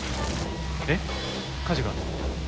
えっ火事が？ああ。